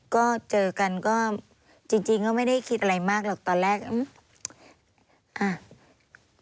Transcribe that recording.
ก็เจอกันก็จริงก็ไม่ได้คิดอะไรมากหรอกตอนแรก